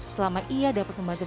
selama ia dapat membantu